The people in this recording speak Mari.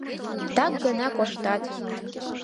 Так гына коштат.